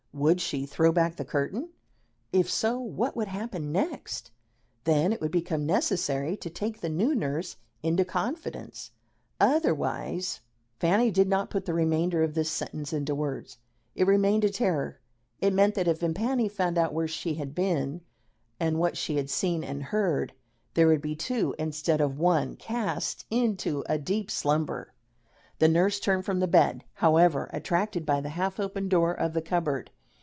Would she throw back the curtain? If so what would happen next? Then it would become necessary to take the new nurse into confidence, otherwise Fanny did not put the remainder of this sentence into words. It remained a terror: it meant that if Vimpany found out where she had been and what she had seen and heard, there would be two, instead of one, cast into a deep slumber. The nurse turned from the bed, however, attracted by the half open door of the cupboard.